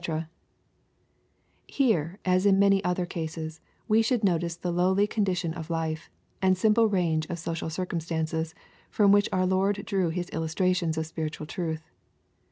] Here, as iii many other cases, we should notice the lowly condition of life, and sim ple range of social circumstances, from which our Lord drew His illustrations of spiritual truth.